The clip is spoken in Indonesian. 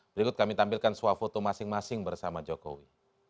berikut kami tampilkan swafoto masing masing bersama jokowi